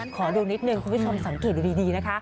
ขอดูนิดนึงคุณผู้ชมสังเกตดีนะคะ